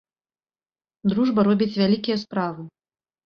Дружба робіць вялікія справы.